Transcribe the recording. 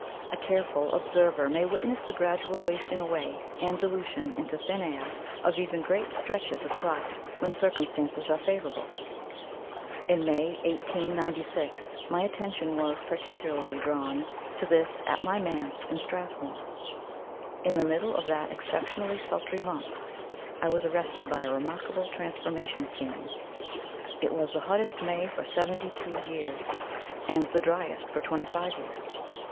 A careful observer may witness the gradual wasting away and dilution into thin air of even great stretches of cloud, when circumstances are favourable. In May 1896 my attention was particularly drawn to this at my manse in Strathmore. In the middle of that exceptionally sultry month, I was arrested by a remarkable transformation scene. It was the hottest May for seventy two years, and the driest for twenty five years.